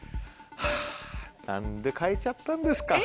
はぁ何で変えちゃったんですか？